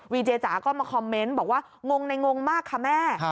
เจจ๋าก็มาคอมเมนต์บอกว่างงในงงมากค่ะแม่